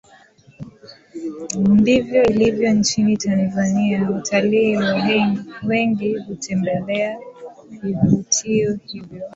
ndivyo ilivyo nchini Tanzania watalii wengihutembelea vivutio hivyo